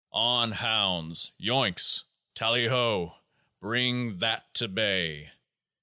On, hounds ! Yoicks ! Tally ho ! Bring THAT to bay